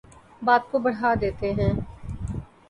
بات کو بڑھا دیتے ہیں